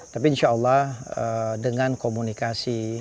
tapi insya allah dengan komunikasi